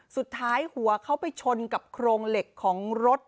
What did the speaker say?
สุดท้ายหัวเขาไปชนกับโครงเหล็กของรถ